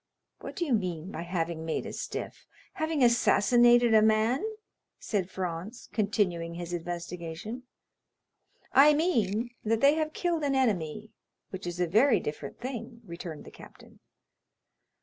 "What do you mean by having made a stiff?—having assassinated a man?" said Franz, continuing his investigation. "I mean that they have killed an enemy, which is a very different thing," returned the captain.